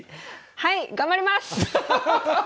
はい頑張ります！